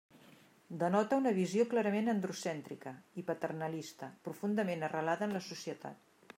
Denota una visió clarament androcèntrica i paternalista profundament arrelada en la societat.